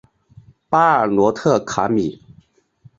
巴尔罗特卡米。